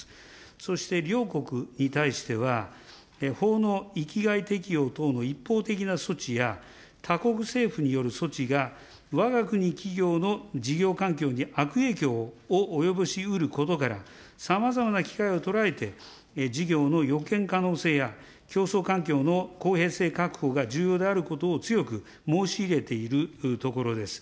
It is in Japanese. そして、両国に対しては法の域外適用等の一方的な措置や、他国政府による措置がわが国企業の事業環境の悪影響を及ぼしうることから、さまざまな機会を捉えて、事業の予見可能性や競争環境の公平性確保が重要であることを強く申し入れているところです。